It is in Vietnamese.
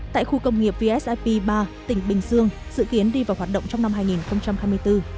tại khu công nghiệp vsip ba tỉnh bình dương dự kiến đi vào hoạt động trong năm hai nghìn hai mươi bốn